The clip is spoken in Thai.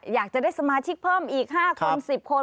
อยากจะได้สมาชิกเพิ่มอีก๕คน๑๐คน